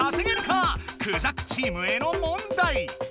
クジャクチームへの問題。